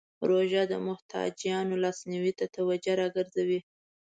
روژه د محتاجانو لاسنیوی ته توجه راګرځوي.